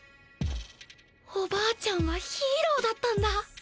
おばあちゃんはヒーローだったんだ。